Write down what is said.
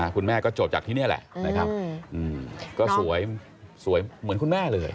คุณแม่ก็จบจากที่นี่แหละนะครับก็สวยเหมือนคุณแม่เลย